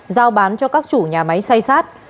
giao bán cho các chủ nhà máy xây xát